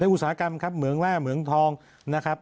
อุตสาหกรรมครับเหมืองแร่เหมืองทองนะครับ